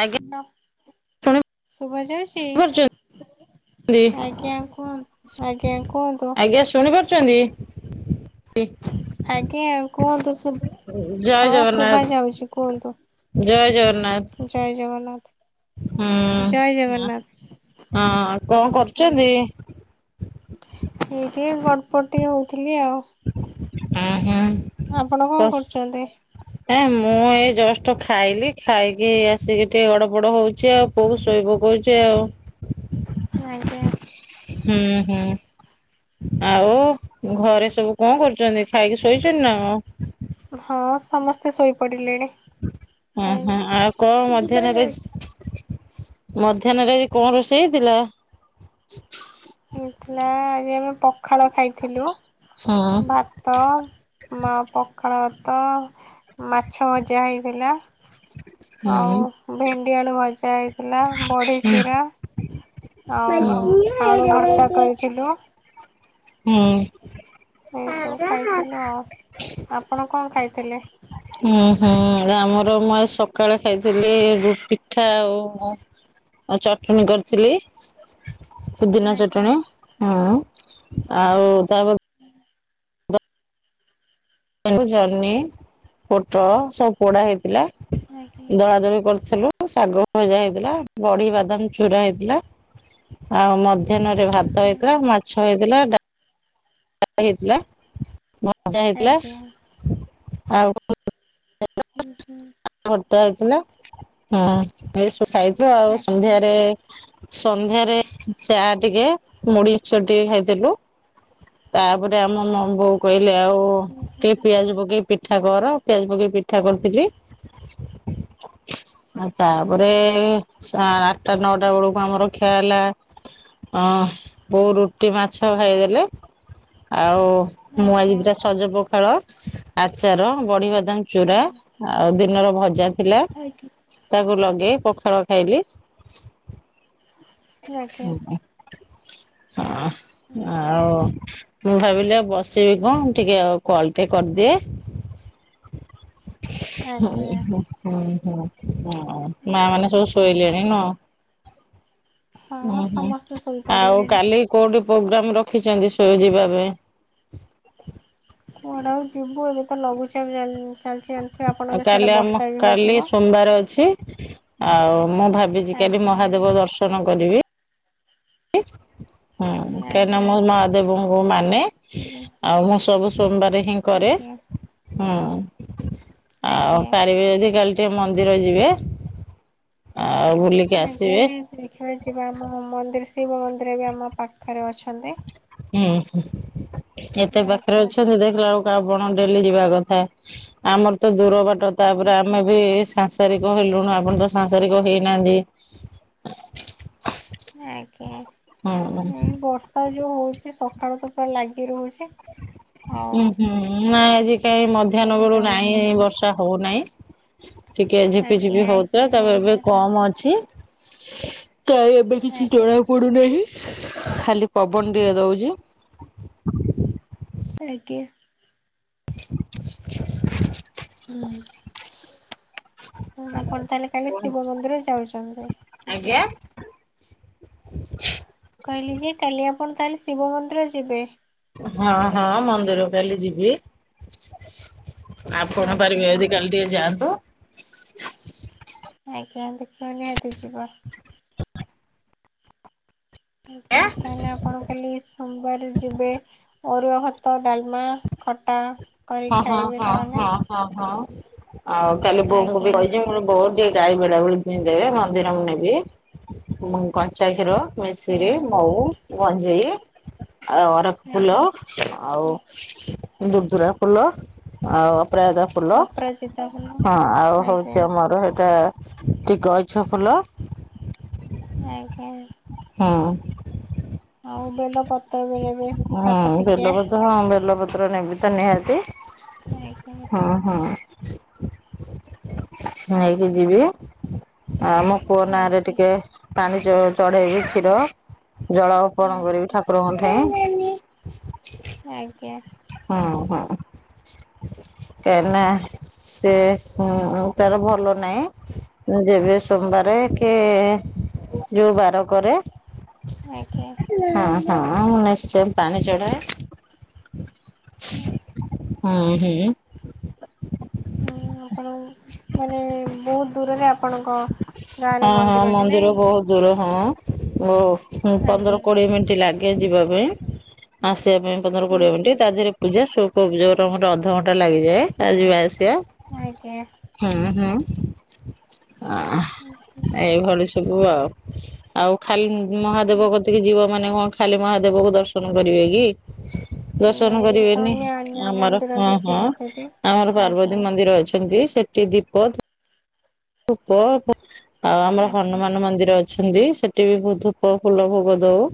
ଆଜ୍ଞା ଶୁଣି ସୁଭା ଯାଉଚି? ପାରୁଛନ୍ତି ଆଜ୍ଞା କୁହ ଆଜ୍ଞା କୁହନ୍ତୁ। ଆଜ୍ଞା ଶଣିବ ଚନ୍ତି [inaudible] ଆଜ୍ଞା କୁହନ୍ତୁ ସୁବୁ ଜୟ ହଁ ଶୁଭା ଜଗନ୍ନାଥ ଯାଉଚି କୁହନ୍ତୁ। ଜୟ ଜଗନ୍ନାଥ। ଜୟ ଜଗନ୍ନାଥ, ଜୟ ହୁଁ। ଜଗନ୍ନାଥ, ହଁ କଣ ଆଜ୍ଞା। କରୁଛନ୍ତି? ଏ ଟିଏ ଗଡ଼ପଟି ହଉଥିଲି ଆଉ। ଆଁ ହଁ। ଆପଣ କଣ କରୁଚନ୍ତି? ଏ ମୁଁ ଏ ଜଷ୍ଟ ଖାଇଲି, ଖାଇକି ଆସିକି ଟିକେ ଗଡ଼ ପଡ଼ ହଉଚି ଆଉ। ପୁଅକୁ ସୋଇ ପକଉଚି ଆଉ। ଆଜ୍ଞା। ହୁଁ, ହୁଁ। ଆଉ ଘରେ ସବୁ କଣ କରୁଚନ୍ତି ଖାଇକି ଶୋଇଚନ୍ତି ନାଁ କଣ? ହଁ ସମସ୍ତେ ଶୋଇ ପଡ଼ିଲେଣି। ଉଁ, ହଁ ଆ କଣ ମଧ୍ୟାହ୍ନରେ, ମଧ୍ୟାହ୍ନରେ ଆଜି କଣ ରୋଷେଇ ହେଇଥିଲା? ହେଇଥିଲା ଆଜି ଆମେ ପଖାଳ ଖାଇଥିଲୁ ଭା ହଁ ତ, ମ ପଖାଳ ଭାତ ମାଛ ଭଜା ହେଇଥିଲା। ଆଉ, ହୁଁ। ଭେଣ୍ଡିଆଳୁ ଭଜା ହେଇଥିଲା, ବଢ଼ି ଚୂୁରା। ଆଉ ଆମ୍ ଉୁଁ ହୁଁ। ଏ ସବୁ ଖାଇଥିଲୁ ଆଉ, ଆପଣ କଣ ଖାଇଥିଲେ? ଉଁ ହୁଁ ଆମର ମୁଁ ଏ ସକାଳେ ଖାଇଥିଲି ପିଠା ଆଉ ଉଁ ଆଉ ଚଟଣୀ କରିଥିଲି। ପୁଦିନା ଆଜ୍ଞା ଚଟଣୀ ହୁଁ ଆଉ ତାପ ହୁଁ ତାକୁ ଜହ୍ନି ପୋଟଳ ସବୁ ପୋଡା ହେଇଥିଲା ଆଜ୍ଞା ଦଳା ଦଳି କରିଥିଲୁ। ଶାଗ ଭଜା ହେଇଥିଲା ବଡି ବାଦାମ ଚୁୁରା ହେଇଥିଲା ଆଉ ମ ମଧ୍ୟାହ୍ନରେ ଭାତ ଆଜ୍ଞା ହେଇଥିଲା ମାଛ ହେଇଥିଲା ଡା [inaudible] ହେଇଥିଲା ହେଲା ଆଜ୍ଞା ଆଉ ହୁଁ ହୁଁ ଭର୍ତା ହେଇଥିଲା ହ ଏ ସବୁ ଖାଇଚୁ ଆଉ ଆଜ୍ଞା ସନ୍ଧ୍ୟାରେ ସନ୍ଧ୍ୟାରେ ଚା ଟିକେ ମୁଢ଼ି ମିକ୍ଚର ଟିକେ ଖାଇଥିଲୁ। ତାପରେ ଆମ ମ ବୋଉ କହିଲେ ଆଉ ହୁଁ ଟିକେ ହୁଁ ପିଆଜ ପକେଇ ପିଠା କର ପିଆଜ ପକେଇ ପିଠା କରିଥିଲି ଆଉ ତାପରେ ହୁଁ ସା ଆଠଟା ନଅଟା ବୁଳୁକୁ ଆମର ଖିଆ ହେଲା। ଅଁ ବୋଉ ରୁଟି ମାଛ ଖାଇଦେଲେ ଆଉ ମୁଁ ଆଜିି ଆଜ୍ଞା ହୁଁ ଆଜ୍ଞା ଦିଟା ସଜ ପଖାଳ ଆଚାର ବଡି ବାଦାମ ଚୁରା ଆଉ ଟଳ ଭଜା ଥିଲା ଆଜ୍ଞା ତାକୁ ଲଗେଇ ଖାଇଲି। ହୁଁ ହଁ ଆଉ ମୁଁ ଭାବିଲି ଆଉ ବସିବି କଣ ଟିକେ ଆଉ କଲ ଟେ କରିଦିଏ। ହଁଁ ଆଜ୍ଞା ହଁ ହୁଁ ହୁଁ ହଁ ମା ମାନେ ସବୁ ଶୋଇଲେଣି ନ ହୁ ହୁଁ ସମସ୍ତେ ଆଉ ଶୋଇପଡିଲେଣି କାଲି କୋଉଠି ପ୍ରୋଗ୍ରାମ ରଖିଛନ୍ତି ସୁଇଯିବା ପାଇଁ। କୁଆଡେ ଆଉ ଯିବୁ ଏବେ ତ ଲଘୁଚାପ ଚାଲିଛି। ଆପଣଙ୍କ କାଲି ସିଆଡେ ଆମ ବର୍ଷା ବି କାଲି ହଉଥିବ ସୋମବାର ଅଛି ଆଉ ମୁଁ ଭାବି ଫିଜିକାଲି ଆଜ୍ଞା। ମହାଦେବ ଦର୍ଶନ କରିବି। ହୁଁ କାହିଁକିନା ଆଜ୍ଞା ମୁଁ ମହାଦେବଙ୍କୁ ମାନେ ଆଉ ମୁଁ ସବୁ ସୋମବାର ହିଁ କରେ ଆଜ୍ଞା ହୁଁ ଆଉ ଆଜ୍ଞା। ପାରିବେ ଯଦି କାଲି ଟିକେ ମନ୍ଦିର ଯିବେ। ଆଉ ବୁଲିକି ଆଜ୍ଞା ଆସିବେ। [unintelligible] [unintelligible] ଯିବା ଆମ ମନ୍ଦିର ଶିବ ମନ୍ଦିର ବି ଆମ ପାଖରେ ଅଛନ୍ତି। ହୁଁ ହୁଁ ଏତେ ପାଖରେ ଆଜ୍ଞା ଅଛନ୍ତି ଦେଖ। ବେଳକୁ ଆପଣ ଡେଲି ଯିବା କଥା ଆମର ତ ଦୂର ବାଟ ତାପରେ ଆଜ୍ଞା। ଆମେ ବି ସାଂସାରିକ ହେଲୁଣି ଆପଣ ତ ସାଂସାରିକ ହେଇନାହାନ୍ତି। ଆଜ୍ଞା ହୁଁ ଏ ବର୍ଷା ଯୋଉ ହଉଛି ସକାଳୁ ତ ପୁରା ଲାଗି ରହୁଛି। ଆଉ ହୁଁ ହୁଁ ନାଇଁ ଆଜି କାହିଁ ମଧ୍ୟାହ୍ନ କୁଆଡେ ବେଳୁ ଯାଉଛୁ ନାହିଁ ବର୍ଷା ହଉନାହିଁ। ଟିକେ ଆଜ୍ଞା ଝିପିଝିପି ଆଜି ହଉଥିଲା ଟିକେ ତାପରେ ଏବେ ହଉନା କମ ଆଜ୍ଞା। ଅଛି। ତ ଏବେ କିଛି ଆଜ୍ଞା ଜଣାକୁ ପଡୁନାହିଁ ଖାଲି ପବନ ଟେ ଦଉଛି। ଆଜ୍ଞା। [inaudible] ହ। ହଁ ଆପଣ ତାହେଲେ କାଲି ଶିବ ମନ୍ଦିର ଯାଉଛନ୍ତି। ଆଜ୍ଞା [inaudible] କହିଲି ଯେ କାଲି ଆପଣ ତାହେଲେ ଶିବ ମନ୍ଦିର ଯିବେ। ହଁ ହଁ ମନ୍ଦିର କାଲି ଯିବି। ଆପଣ ପାରିବେ ଆଜ୍ଞା। ଯଦି କାଲି ଟିକେ ଯାଆନ୍ତୁ। ଆଜ୍ଞା ଦେଖିବା ନିହାତି ଯିବ। [inaudible] ଆଁ ତାହେଲେ ଆପଣଙ୍କ କାଲି ସୋମବାରେ ଯିବେ ଅରୁଆଭାତ, ଡାଲମା, ଖଟା କରି ହଁ ହଁ ଖାଇବେ ହଁ ତାହେଲେ। ହଁ ହଁ ହଁ ଆଉ କାଲି ବୋଉଙ୍କୁ ବି ଆଜ୍ଞା କହି ମୋର ବୋତ ଟିକେ ଗାଈ ବେଡା ଭଳି କି ଦେବେ ମନ୍ଦିର ମୁଁ ନେବି ମୁ କଞ୍ଚା କ୍ଷୀର। ହୁଁ ମଇସିର ମହୁ ମଞ୍ଜେଇ। ଆଉ ଅରଖଫୁଲ ଆଜ୍ଞା ଆଉ ଦୁରଦୁରା ଫୁଲ ଆଉ ଅପରାଜିତା ଫୁଲ ଅପରାଜିତା ଫୁଲ ହଁ ଆଉ ଆଜ୍ଞା ହଉଛି ଆମର ଏଇଟା ଟିକେ ଗଇଛ ଫୁଲ ଆଜ୍ଞା। ହଁ। ଆଉ ବେଲପତ୍ର ବେଳେବେଳେ ସାତ ଟିକିଆ ହଁ ବେଲପତ୍ର ବେଲପତ୍ର ନେବି ତ ନିହାତି। [unintelligible] ହଁ ହଁ ନେଇକି ଯିବି। ଆ ଆମ ପୁଅ ନାଁରେ ଆଜ୍ଞା ଟିକେ ପାଣି ଚଢେଇବି କ୍ଷୀର ଜଳ ଅର୍ପଣ କରିବି ଠାକୁରଙ୍କଠୀ। ଆଜ୍ଞା। ହୁଁ ହୁଁ କାଇ ନା। ସେ ହୁଁ ତାର ଭଲ ନାହିଁ। ଯେବେ ସୋମବାର କି ଯୋଉ ବାର କରେ। ଆଜ୍ଞା। ହୁଁ ହୁଁ ନିଶ୍ଚୟ ପାଣି ଚଢାଏ। ହୁଁ ହୁଁ। ହୁଁ ଆପଣ ମାନେ ବହୁତ ଦୂରରେ ଆ [inaudible] ହଁ ହଁ ମନ୍ଦିର ନାଇଁ ବହୁତ ଦୂର ହଁ ଓ ପନ୍ଦର ଆଜ୍ଞା କୋଡିଏ ମିନିଟ ଲା ଗେ ଯିବାଇଁ ଆସିବା ପାଇଁ ପନ୍ଦର ହୁଁ କୋଡିଏ ହୁଁ ମିନିଟ୍ ତା ଦେହରେ ପୂଜା ସ୍ୱଳ୍କ ପୂଜା ଗୋଟେ ଅଧଘଣ୍ଟା ଲାଗିଯାଏ ଆଉ ଯିବା ଆସିବା। ହୁଁ ହୁଁ ଆ ଆଜ୍ଞା ଏଇଭଳି ସବୁ ଆଉ। ଆଉ ଖାଲି ମହାଦେବ କତିକି ଯିବ ମାନେ କଣ ଖାଲି ମହାଦେବ କ ଦର୍ଶନ କରିବେ କି। ଦର୍ଶନ ନାଇଁ କରିବେନି ତନ୍ୟ ଅନ୍ୟ ଆମର ମନ୍ଦିର ହଁ ବି ହଁ ଥିବ ସେଠି ଆମର ଆଜ୍ଞା ପାର୍ବତୀ ମନ୍ଦିର ଅଛନ୍ତି ସେ ଠୀ ଦୀପ ଧୂପ ଆଉ ଆମର ଆଜ୍ଞା ହନୁମାନ ମନ୍ଦିର ଅ ଅଛନ୍ତି ସେଠି ବି ବହୁତ ଧୂପ ଫୁଲ ଭୋଗ ଦଉ।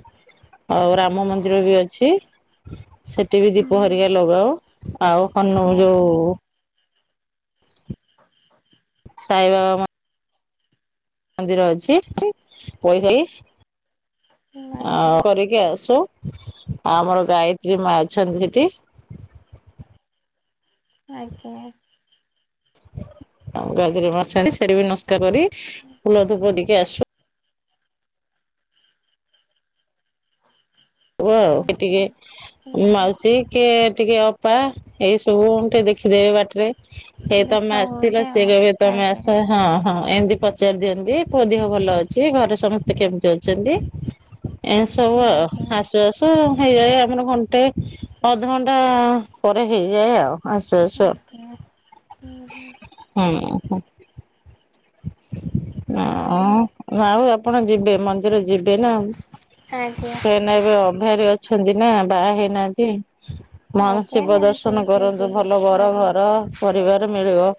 ଆଉ ରାମ ମନ୍ଦିର ବି ଅଛି। ସେଠି ବି ଦୀପ ହୁଁ ହରିକା ଲଗାଉ ଆଉ ହନୁ ଆଜ୍ଞା ଯୋଉ [inaudible] ସାଇବାବା ମ ମନ୍ଦିର ଅଛି ପଇସା ଆଜ୍ଞା ଆଉ କରିକି ଆସୁ। ଆମର ଗାୟତ୍ରୀ ମା ଅଛନ୍ତି ସେଠି। ଆଜ୍ଞା। ଆଉ ଗାୟତ୍ରୀ ମା ଅଛନ୍ତୀ ଆଣି ସେଠି ବି ନମସ୍କାରକରି ଫୁଲ ଧୂପ ଦେଇକି ଆସୁ। ହୁ ଆଉ ଟିକେ ହୁଁ ମାଉସୀ। କିଏ ଟିକେ ଅପା ଏଇ ସବୁ ଟିକେ ଦେଖିଦେବେ ବାଟରେ। ଏଇ ଦେଖା ତମେ ଆସିଥିଲ ହୁଅନ୍ତେ ସିଏ ଆଉ କହିବେ ତମେ ଆଜ୍ଞା ଆସ। ହଁ ହଁ ଏମିତି ପଚାରି ଦିଅନ୍ତି ପୁଅ ଦେହ ଭଲ ଅଛି ଘରେ ସମସ୍ତେ କେମତି ଅଛନ୍ତି। [inaudible] ଏ ୟା ସବୁ ଆଉ। ଆଜ୍ଞା ଆସୁ ହେଇଯାଏ ଆମର ଘଣ୍ଟେ ଅଧଘଣ୍ଟା ପରେ ହେଇଯାଏ ଆଉ। ଆସୁ ଆସୁ ଆଉ ଆଜ୍ଞା ହୁଁ ହୁଁ ହୁଁ ହୁ। [inaudible] ହ ଆଉ ଆଉ ଏପଟେ ଯିବେ ମନ୍ଦିର ଯିବେ ନା। ଆଜ୍ଞା ନାଁ ଏବେ ଅଭ୍ୟାରି ଅଛନ୍ତି ନାଁ ବାହା ହେଇନାହାନ୍ତି। ମ ଆଜ୍ଞା ଶିବ ନିହାତି ଦର୍ଶନ ଟିକେ କରନ୍ତୁ ଯିବୁ ଭଲ ବର ଆଜ୍ଞା ଘର ପରିବାର ମିଳିବ।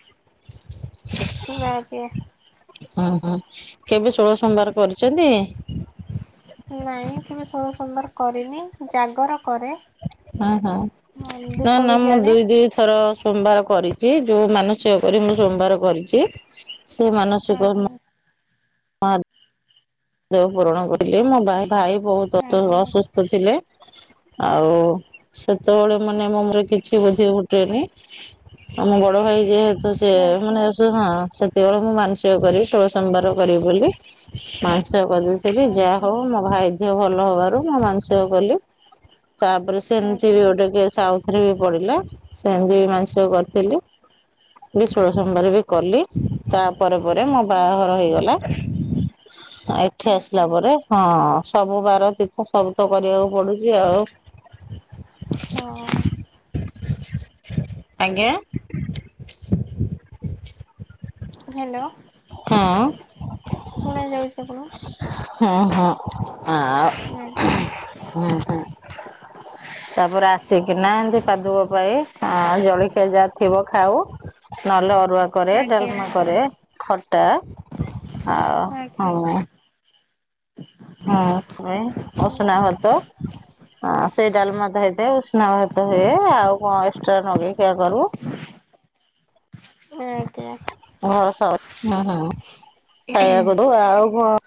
ନାଁ କିଏ? ହୁଁ ହୁଁ କେବେ ଷୋଳ ସୋମବାର କରିଚନ୍ତି? ନାଇଁ କେବେ ଷୋଳ ସୋମବାର କରିନି ଜାଗର କରେ। ହଁ ହଁ ହଁ ନାଁ ଦୀପ ନାଁ ବି ମୁଁ ଜାଳେ ଦୁଇ ଦୁଇ ଥର ସୋମବାର କରିଚି ଯୋଉ ମାନସିକ କରି ମୁଁ ସୋମବାର କରିଚି ସେ ମାନସିକ ଆଜ୍ଞା ମହା ଦେବ ପୂରଣ କରିଥିଲି ମୋ ଭାଇ ବହୁତ ଆଜ୍ଞା ଅସୁସ୍ଥ ଥିଲେ। ଆଉ ସେତେବେଳେ ମାନେ, [unintelligible] କିଛି ବୋଧି ଘୁଟେନି। ଆମ ବଡ ଭାଇ ଯେହେତୁ ସେ ଆଜ୍ଞା ମାନେ ହଁ, ସେତେବେଳେ ମୁଁ ମାନସିକ କରିବି, ସୋହଳ ସୋମବାର କରିବି ବୋଲି। [unintelligible] ଯାହା ଆଜ୍ଞା ହଉ, ମୋ ଭାଇ ଦେହ ଭଲ ହବାରୁ ମୁଁ ମାନସିକ କଲି। ତାପରେ ସେମିତି ବି ଆଜ୍ଞା ଗୋଟେ କେସ୍ ଆଉଥରେ ବି ପଡିଲା। ସେମତି ବି ମାନସିକ କରିଥିଲି। ସୋହଳ ସୋମବାର ବି କଲି। ତା ପରେ ପରେ ହୁଁ ମୋ ହୁଁ ବାହାଘର ହେଇଗଲା। ଏଠି ଆସିଲା ଆଜ୍ଞା ପରେ। ହଁ, ସବୁ ବାର, ତୀର୍ଥ ସବୁ ତ କରିବାକୁ ପଡୁଛି ଆଉ। [inaudible] ହଁ। [inaudible] ଆଜ୍ଞା। ହ୍ୟାଲୋ। ହଁ, ଶୁଣା ଯାଉଛି ଆପଣଙ୍କୁ? [inaudible] ହଁ, ହଁ। ଆଜ୍ଞା [inaudible] [inaudible] ତାପରେ ଆସିକିନା ଏମତି ପାଦୁକ ପାଇଁ ଜଳଖିଆ ଯାହା ଥିବ, ଖାଉ। ନହେଲେ ଅରୁଆ କରେ, ଆଜ୍ଞା ଡାଲମା କରେ, ଖଟା ଆଉ ଆଜ୍ଞା ହଁ। ହୁଁ, [inaudible] ଉଷୁନା ଭାତ। ହଁ, ସେ ଡାଲମା ତ ହେଇଥାଏ। ଉଷ୍ଣା ଭାତ ହୁଏ, ଆଉ କଣ ଏକ୍ସଟ୍ରା ନଗେଇ ଖିଆ କରୁ। [unintelligible] [inaudible]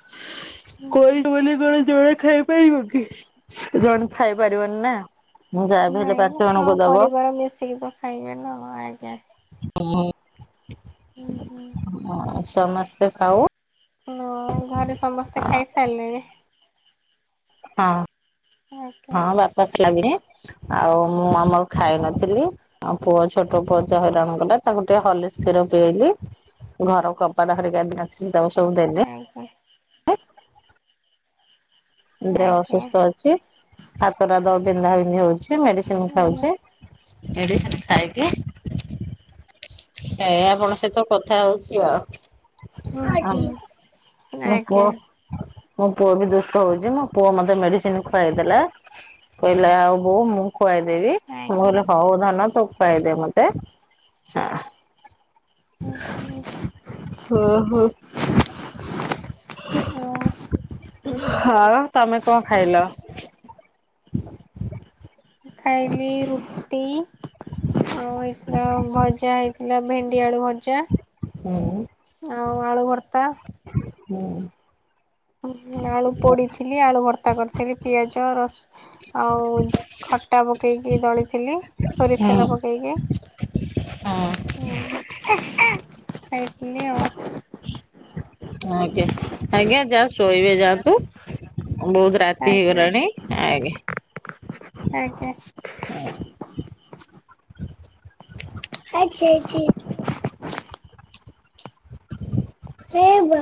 ହୁଁ [inaudible] ଜଣେ ଖାଇପାରିବନି ନା? ଯାହା ବି ହେଲେ ପାଞ୍ଚ ନାହିଁ, ସ ଜଣଙ୍କୁ ଦବ ପରିବାର ମିଶିକି ତ ଖାଇବେନ, ଆଜ୍ଞା। ହୁଁ ହୁଁ [inaudible] ସମସ୍ତେ ଖାଉ। ହଁ, ଘରେ ସମସ୍ତେ ଖାଇ ସାରିଲେଣି? ହଁ, ଆଜ୍ଞା ହଁ, [inaudible] ଆଉ ମୁଁ ଆମର ଖାଇନଥିଲି। ଆଉ ପୁଅ ଛୋଟ ପୁଅ ଯାହା ହଇରାଣ କଲା, ତାକୁ ଟିକେ ହର୍ଲିକ୍ସ କ୍ଷୀର ପିଆଇଲି। ଘର [inaudible] [unintelligible] ଦେହ ଆଜ୍ଞା ଅସୁସ୍ଥ ଅଛି। ହାତଟା ବିନ୍ଧାବିନ୍ଧି ହଉଛି, ମେଡିସିନ୍ ଆଜ୍ଞା ଖାଉଛି। [inaudible] ମେଡିସିନ ଖାଇକି ଏଇଆ, ଆପଣଙ୍କ ସହିତ କଥା ହଉଛି ଆଉ। ହୁଁ ହୁଁ ଆଜି, ମୋ ଆଜ୍ଞା ପୁଅ, ମୋ ପୁଅ ବି ଦୁଷ୍ଟ ହଉଛି। ମୋ ପୁଅ ମତେ ମେଡିସିନ୍ ଖୁଆଇଦେଲା। କହିଲା, ଆଉ ବୋଉ ମୁଁ ଖୁଆଇଦେବି। ମୁଁ ଆଜ୍ଞା କହିଲି, ହଉ ଧନ, ତୁ ଖୁଆଇଦେ ମତେ। [inaudible] ହଁ, ହଁ। [inaudible] ତମେ କଣ ଖାଇଲ? ଖାଇଲି ରୁଟି, ଆଉ ହେଇଥିଲା ଭଜା ହେଇ ଥିଲା। ଭେଣ୍ଡି ଆଳୁ ଭଜା। ହୁଁ। ଆଉ ଆଳୁ ଭର୍ତା। ହୁଁ। ଆଳୁ ପୋଡିଥିଲି ଆଳୁ ଭର୍ତ୍ତା କରିଥିଲି, ପିଆଜ ରସ ଆଉ ଖଟା ପକେଇକି ଦଳିଥିଲି ସୋରିଷ ହଁ ତେଲ ପକେଇକି। ହଁ। ଆଉ ମୁଁ ଖାଇଥିଲି ଆ। ଆଜ୍ଞା ଆଜ୍ଞା ଯା ଶୋଇବେ ଯାଆନ୍ତୁ ବହୁତ ରାତି ଆଜ୍ଞା ହେଇଗଲାଣି ଆଜ୍ଞା। ଆଜ୍ଞା। ଅଁ, ଆଚ୍ଛା ଆଛିି। ହେ ବା